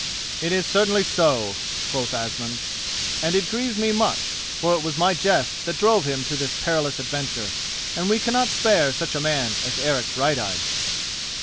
"It is certainly so," quoth Asmund, "and it grieves me much; for it was my jest that drove him to this perilous adventure, and we cannot spare such a man as Eric Brighteyes."